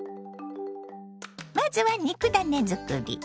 まずは肉ダネ作り。